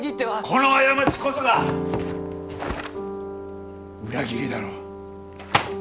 この過ちこそが裏切りだろう？